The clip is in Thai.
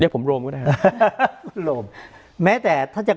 คุณลำซีมัน